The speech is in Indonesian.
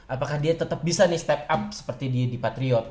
apakah dia tetep bisa step up seperti di patriot